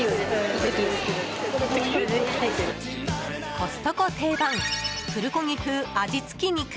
コストコ定番プルコギ風味付き肉。